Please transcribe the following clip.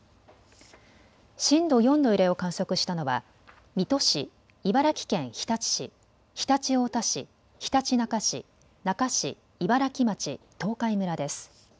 震度４の揺れを観測したのは水戸市、茨城県日立市、常陸太田市、ひたちなか市、那珂市、茨城町、東海村です。